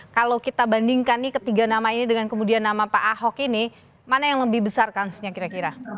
kalau kita bandingkan nih ketiga nama ini dengan kemudian nama pak ahok ini mana yang lebih besar kansnya kira kira